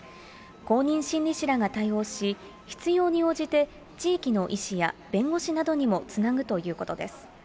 公認心理師らが対応し、必要に応じて地域の医師や弁護士などにもつなぐということです。